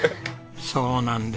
そうなんです。